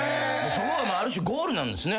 ある種ゴールなんですね。